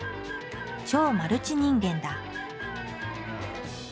超マルチ人間だ。